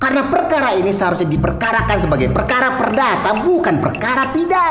karena perkara ini seharusnya diperkarakan sebagai perkara perdata bukan perkara pidana